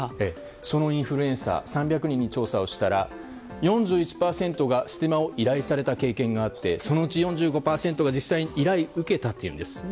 そのインフルエンサー３００人に調査したら４１％がステマを依頼された経験がありそのうち４５％が実際に依頼を受けたというんです。